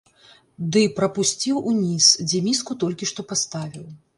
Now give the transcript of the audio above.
Ды прапусціў уніз, дзе міску толькі што паставіў.